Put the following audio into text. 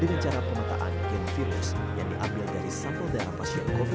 dengan cara pemetaan gen virus yang diambil dari sampel darah pasien covid sembilan belas